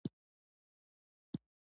پنسل د نښې اېښودلو لپاره هم استعمالېږي.